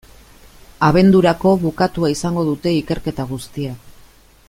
Abendurako bukatua izango dute ikerketa guztia.